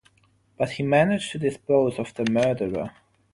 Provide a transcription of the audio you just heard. But he managed to dispose of the murderer.